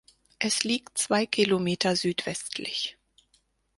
Es liegt zwei Kilometer südwestlich.